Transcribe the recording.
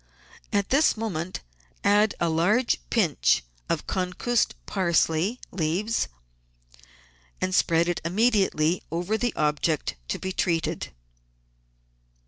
At this moment add a large pinch of concussed parsley leaves and spread it immediately over the object to be treated.